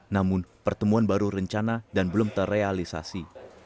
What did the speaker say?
namun pertemuan baru rencana dan belum terrealisasi